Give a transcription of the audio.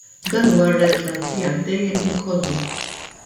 Dan huwa r-red light li għaddej il-ħin kollu!